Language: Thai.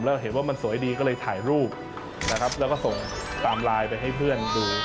แล้วเห็นว่ามันสวยดีก็เลยถ่ายรูปนะครับแล้วก็ส่งตามไลน์ไปให้เพื่อนดู